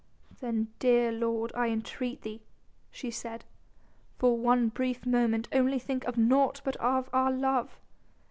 "Then, dear lord, I entreat thee," she said, "for one brief moment only think of naught but of our love.